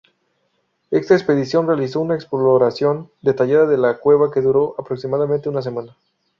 Esta expedición realizó una exploración detallada de la cueva que duró aproximadamente una semana.